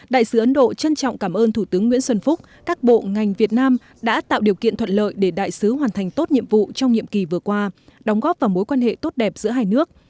đại sứ ấn độ trân trọng cảm ơn thủ tướng nguyễn xuân phúc các bộ ngành việt nam đã tạo điều kiện thuận lợi để đại sứ hoàn thành tốt nhiệm vụ trong nhiệm kỳ vừa qua đóng góp vào mối quan hệ tốt đẹp giữa hai nước